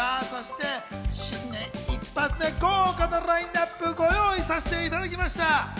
そして新年１発目、豪華なラインナップ、ご用意させていただきました。